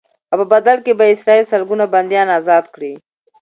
او په بدل کې به اسرائیل سلګونه بنديان ازاد کړي.